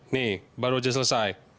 nih baru aja selesai